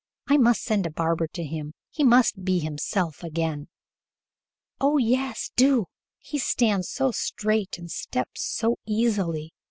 I must send a barber to him. He must be himself again." "Oh, yes, do. He stands so straight and steps so easily.